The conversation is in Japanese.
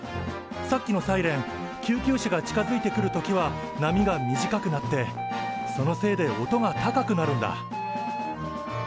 さっきのサイレン救急車が近づいてくる時は波が短くなってそのせいで音が高くなるんだ。